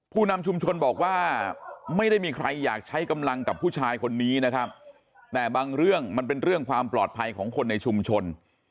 ผู้นำชุมชนบอกว่าไม่ได้มีใครอยากใช้กำลังกับผู้ชายคนนี้นะครับแต่บางเรื่องมันเป็นเรื่องความปลอดภัยของคนในชุมชน